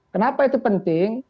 kenapa itu penting